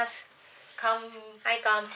はい乾杯。